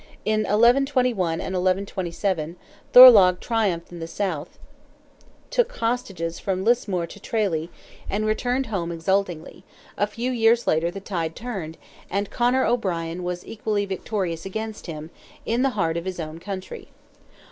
In 1121 and 1127, Thorlogh triumphed in the south, took hostages from Lismore to Tralee, and returned home exultingly; a few years later the tide turned, and Conor O'Brien was equally victorious against him, in the heart of his own country.